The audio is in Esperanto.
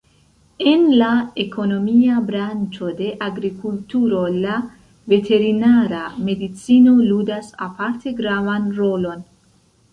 En la ekonomia branĉo de agrikulturo la veterinara medicino ludas aparte gravan rolon.